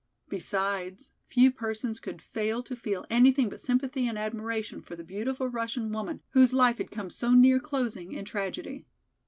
Besides, few persons could fail to feel anything but sympathy and admiration for the beautiful Russian woman, whose life had come so near closing in tragedy.